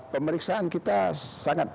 pemeriksaan kita sangat peluk